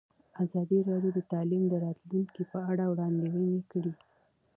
ازادي راډیو د تعلیم د راتلونکې په اړه وړاندوینې کړې.